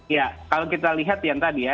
ya kalau kita lihat yang tadi ya